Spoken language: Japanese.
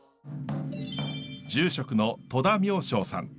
住職の戸田妙昭さん。